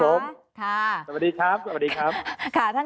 สวัสดีครับ